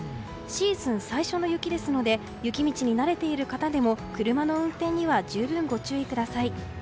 シーズン最初の雪ですので雪道に慣れている方でも車の運転には十分ご注意ください。